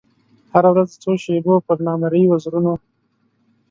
هره ورځ د څو شېبو پر نامریي وزرونو